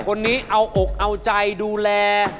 คนนี้เอาอกเอาใจดูแล